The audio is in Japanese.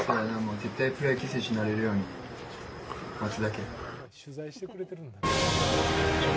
絶対プロ野球選手になれるように待つだけ。